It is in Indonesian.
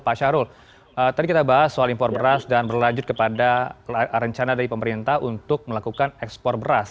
pak syahrul tadi kita bahas soal impor beras dan berlanjut kepada rencana dari pemerintah untuk melakukan ekspor beras